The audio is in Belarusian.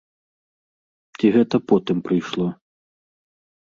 Ці гэта потым прыйшло?